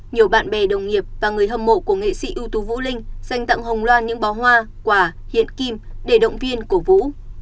nhiều bạn bè đồng nghiệp và người hâm mộ của nghệ sĩ ưu tú vũ linh dành tặng hồng loan những bó hoa quả hiện kim để động viên cổ vũ